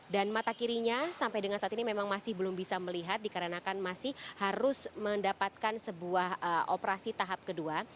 dan mata kirinya sampai dengan saat ini memang masih belum bisa melihat dikarenakan masih harus mendapatkan sebuah operasi tahap kedua